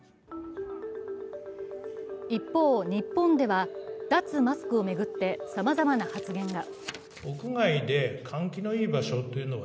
一方、日本では脱マスクを巡ってさまざまな発言が。